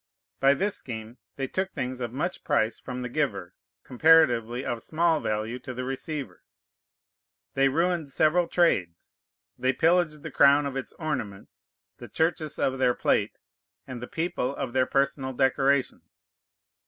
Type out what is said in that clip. By this scheme they took things of much price from the giver, comparatively of small value to the receiver; they ruined several trades; they pillaged the crown of its ornaments, the churches of their plate, and the people of their personal decorations.